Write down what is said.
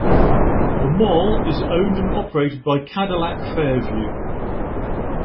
The mall is owned and operated by Cadillac Fairview.